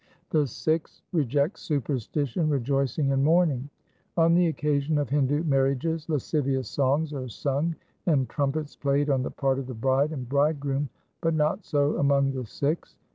5 The Sikhs reject superstition, rejoicing, and mourning :— On the occasion of Hindu marriages lascivious songs are sung and trumpets played on the part of the bride and bridegroom, but not so among the Sikhs.